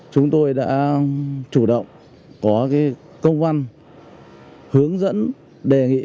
chúng tôi đã chủ động có công văn hướng dẫn đề nghị